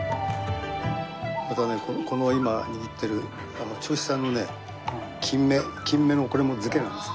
またねこの今握ってる銚子産のね金目もこれも漬けなんです。